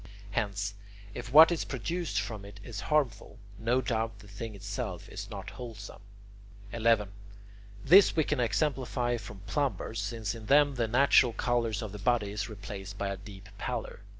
Hence, if what is produced from it is harmful, no doubt the thing itself is not wholesome. 11. This we can exemplify from plumbers, since in them the natural colour of the body is replaced by a deep pallor.